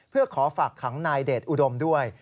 เพื่อขอฝากขังนายเดชอุดมด้วย